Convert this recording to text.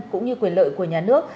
cũng như quyền lợi của nhà nước